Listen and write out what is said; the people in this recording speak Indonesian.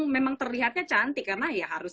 memang terlihatnya cantik karena ya harus